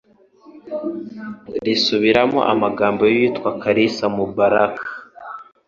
risubiramo amagambo y'uwitwa Kalisa Mubarak,